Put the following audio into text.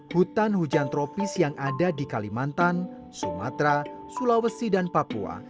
hutan hujan tropis yang ada di kalimantan sumatera sulawesi dan papua